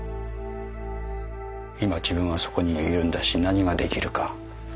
今自分はそこにいるんだし何ができるか。